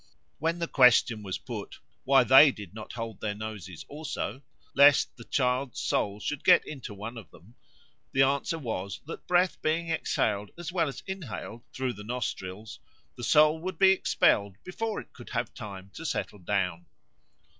When the question was put, Why they did not hold their noses also, lest the child's soul should get into one of them? the answer was that breath being exhaled as well as inhaled through the nostrils, the soul would be expelled before it could have time to settle down.